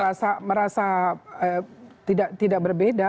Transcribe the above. kalau merasa tidak berbeda